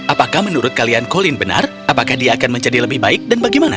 apakah menurut kalian colin benar apakah dia akan menjadi lebih baik dan bagaimana